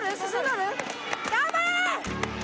・頑張れ！